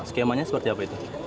skemanya seperti apa itu